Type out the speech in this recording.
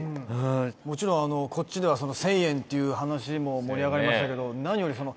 「もちろんこっちでは１０００円っていう話も盛り上がりましたけど何より」